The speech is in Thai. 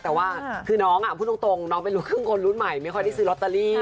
แต่ว่าคือน้องพูดตรงน้องเป็นลูกครึ่งคนรุ่นใหม่ไม่ค่อยได้ซื้อลอตเตอรี่